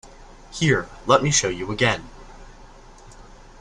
Here, let me show you again.